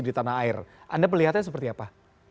di tanah air anda melihatnya seperti apa